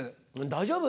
大丈夫？